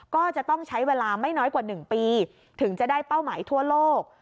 ก็จะต้องใช้เวลาไม่น้อยกว่า๑ปีถึงจะได้เป้าหมายทั่วโลก